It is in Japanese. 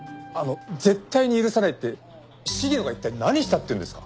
「絶対に許さない」って鴫野が一体何したっていうんですか？